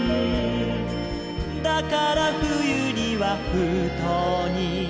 「だから冬には封筒に」